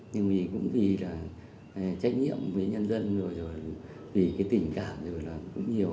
nhưng vì cũng vì là trách nhiệm với nhân dân rồi rồi vì cái tình cảm rồi là cũng nhiều